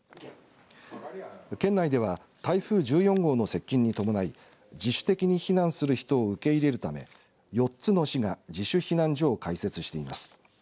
県内では台風１４号の接近に伴い自主的に避難する人を受け入れるため４つの市が自主避難所を開設しています。